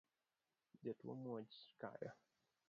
Jatuo muoch kayo